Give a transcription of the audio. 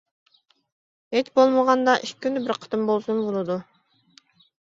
ھېچ بولمىغاندا ئىككى كۈندە بىر قېتىم بولسىمۇ بولىدۇ.